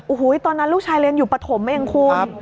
โอ้โหตอนนั้นลูกชายเรียนอยู่ปฐมเองคุณ